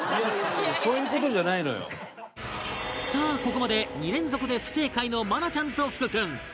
さあここまで２連続で不正解の愛菜ちゃんと福君